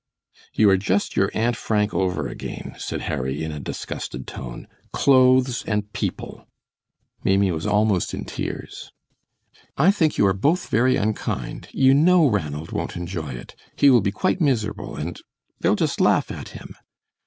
"You are just your Aunt Frank over again," said Harry, in a disgusted tone; "clothes and people!" Maimie was almost in tears. "I think you are both very unkind. You know Ranald won't enjoy it. He will be quite miserable, and they'll just laugh at him!"